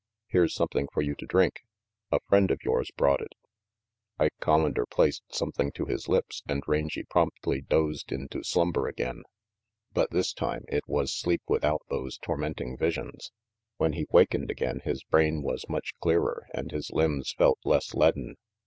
Here's something for you to drink. A friend of vores brought it." Ike (Hollander placed something to his lips, and Rangy promptly dozed into slumber again; but this 400 RANGY PETE 401 time it was sleep without those tormenting visions. When he wakened again, his brain was much clearer and his limbs felt less leaden.